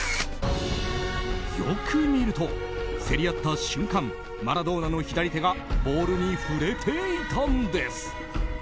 よく見ると、競り合った瞬間マラドーナの左手がボールに触れていたんです。